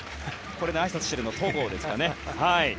あいさつをしていたのは戸郷ですかね。